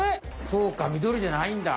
そうかみどりじゃないんだ。